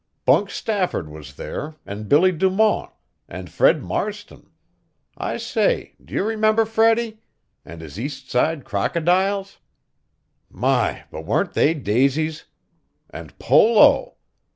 Bunk Stafford was there, and Billy Du Mont, and Fred Marston I say, do you remember Freddie? And his East Side crocodiles? "My, but weren't they daisies? And polo?